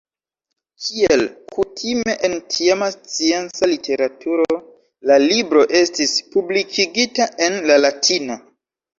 Kiel kutime en tiama scienca literaturo, la libro estis publikigita en la latina.